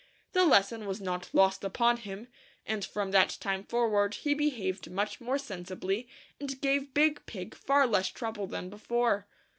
The lesson was not lost upon him, and from that time forward he be haved much more sensibly, and gave Big Pig far less trouble than before.